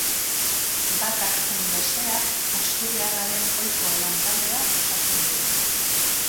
Batak zein besteak asturiarraren ohiko lan taldea osatzen dute.